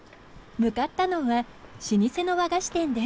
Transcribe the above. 向かったのは老舗の和菓子店です。